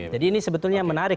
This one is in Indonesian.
jadi ini sebetulnya menarik